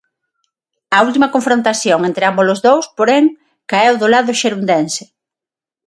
A última confrontación entre ambos os dous, porén, caeu do lado xerundense.